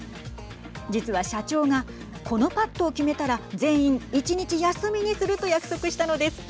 実は社長がこのパットを決めたら全員１日休みにすると約束したのです。